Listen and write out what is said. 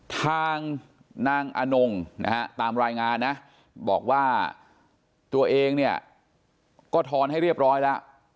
ทางนางอนงนะฮะตามรายงานนะบอกว่าตัวเองเนี่ยก็ทอนให้เรียบร้อยแล้ว